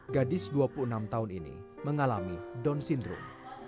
gadis dua puluh enam tahun ini mengalami down syndrome